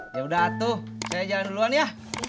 yaudah tuh saya jalan duluan ya